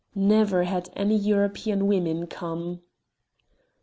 Never had any European women come.